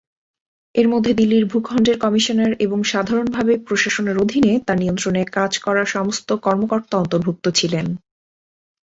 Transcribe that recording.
এর মধ্যে দিল্লির ভূখণ্ডের কমিশনার এবং সাধারণভাবে প্রশাসনের অধীনে তাঁর নিয়ন্ত্রণে কাজ করা সমস্ত কর্মকর্তা অন্তর্ভুক্ত ছিল।